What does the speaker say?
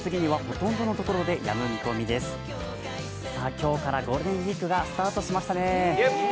今日からゴールデンウイークがスタートしましたね。